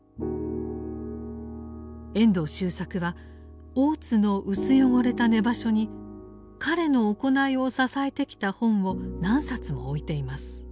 遠藤周作は大津の薄汚れた寝場所に彼の行いを支えてきた本を何冊も置いています。